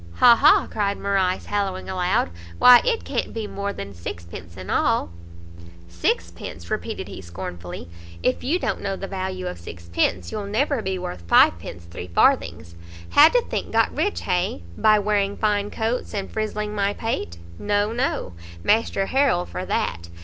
"Ha! ha!" cried Morrice, hallowing aloud, "why it can't be more than sixpence in all!" "Sixpence?" repeated he scornfully, "if you don't know the value of sixpence, you'll never be worth fivepence three farthings. How do think got rich, hay? by wearing fine coats, and frizzling my pate? No, no; Master Harrel for that!